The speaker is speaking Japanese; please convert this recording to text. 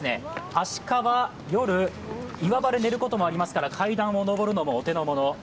アシカは夜、岩場で寝ることもありますから、階段を上るのもお手のもの。